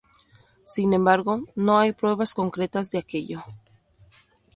Sin embargo, no hay pruebas concretas de aquello.